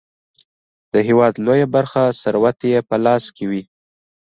د هیواد لویه برخه ثروت یې په لاس کې وي.